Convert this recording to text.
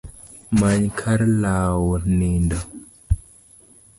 Many kar lawo nindo